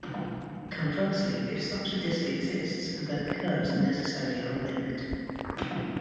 Conversely if such a disk exists then the curves are necessarily unlinked.